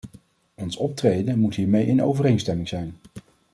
Ons optreden moet hiermee in overeenstemming zijn.